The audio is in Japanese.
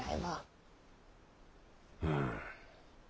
うん。